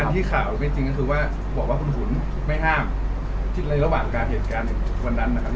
ที่ข่าวไม่จริงก็คือว่าบอกว่าคุณหุ่นไม่ห้ามในระหว่างการเหตุการณ์วันนั้นนะครับ